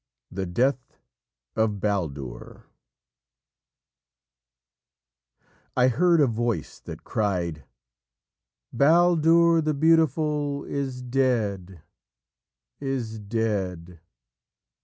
THE DEATH OF BALDUR "I heard a voice, that cried, 'Baldur the Beautiful Is dead, is dead!'